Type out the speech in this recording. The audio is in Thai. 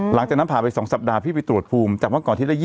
หลังจากนั้นผ่าไป๒สัปดาห์พี่ไปตรวจภูมิจากเมื่อก่อนที่ละ๒๐